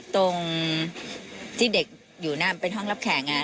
ตรงที่เด็กอยู่นั่นเป็นห้องรับแขก